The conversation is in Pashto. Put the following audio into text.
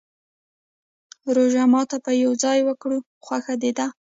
روژه ماته به يو ځای وکرو، خوښه دې ده؟